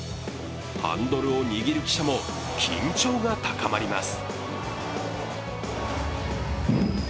ハンドルを握る記者も緊張が高まります。